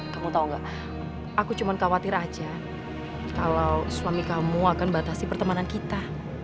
kamu tau gak aku cuma khawatir aja kalau suami kamu akan batasi pertemanan kita